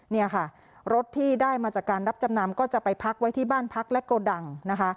เนี่ยค่ะรถที่ได้มาจากการรับจำนำก็จะไปพักไว้ที่บ้านพักและโกดังนะคะ